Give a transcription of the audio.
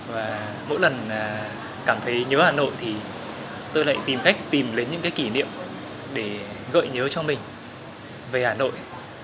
và mỗi lần cảm thấy nhớ hà nội thì tôi lại tìm cách tìm đến những cái kỷ niệm để gợi nhớ cho mình về hà nội